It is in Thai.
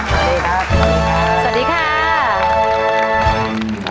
สวัสดีค่ะ